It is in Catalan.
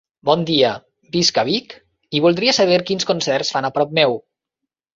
Bon dia, visc a Vic i voldria saber quins concerts fan a prop meu.